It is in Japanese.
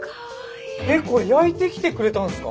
えっこれ焼いてきてくれたんすか？